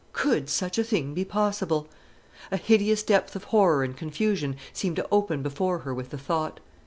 Could such a thing be possible? A hideous depth of horror and confusion seemed to open before her with the thought.